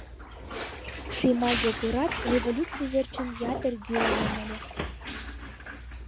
Шимай Йогорат революций верчын ятыр гӱланен ыле.